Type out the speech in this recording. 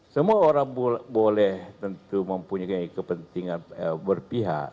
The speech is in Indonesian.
semua orang boleh tentu mempunyai kepentingan berpihak